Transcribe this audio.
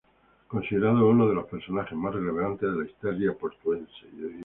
Considerado uno de los personajes más relevantes de la historia portuense.